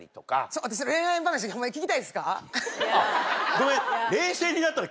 ごめん。